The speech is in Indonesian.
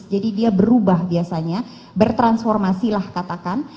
jadi dia berubah biasanya bertransformasilah katakan